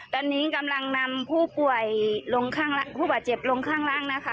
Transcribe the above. ตอนนี้กำลังนำผู้ป่าเจ็บลงข้างล่างนะคะ